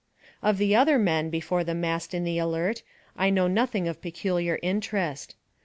Of the other men before the mast in the Alert, I know nothing of peculiar interest.